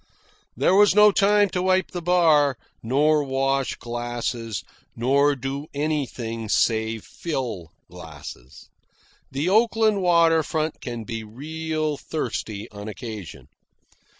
There was no time to wipe the bar, nor wash glasses, nor do anything save fill glasses. The Oakland water front can be real thirsty on occasion.